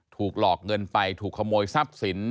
ถูกหลอกเงินไปถูกขโมยทรัพย์สิน